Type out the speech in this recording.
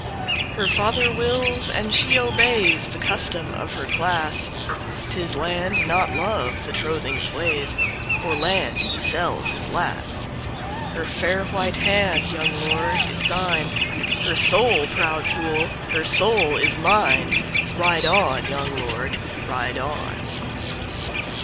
Her father wills and she obeys, The custom of her class;'Tis Land not Love the trothing sways—For Land he sells his lass. Her fair white hand, young lord, is thine, Her soul, proud fool, her soul is mine, Ride on, young lord, ride on!